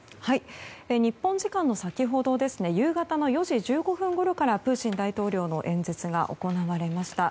日本時間の先ほど夕方の４時１５分ごろからプーチン大統領の演説が行われました。